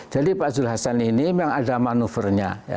jadi pak jules hassan ini memang ada manuvernya